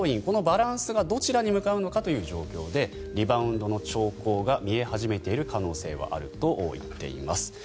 このバランスがどちらに向かうのかという状況でリバウンドの兆候が見え始めている可能性はあると言っています。